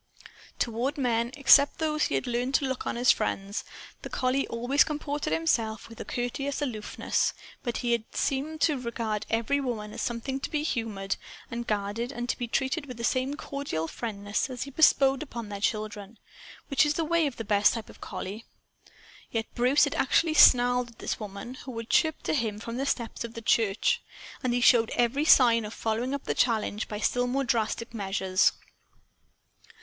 Toward men except those he had learned to look on as friends the collie always comported himself with a courteous aloofness But he had seemed to regard every woman as something to be humored and guarded and to be treated with the same cordial friendliness that he bestowed on their children which is the way of the best type of collie. Yet Bruce had actually snarled at this woman who had chirped to him from the steps of the church! And he showed every sign of following up the challenge by still more drastic measures.